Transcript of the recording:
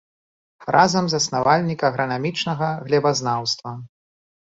Разам з заснавальнік агранамічнага глебазнаўства.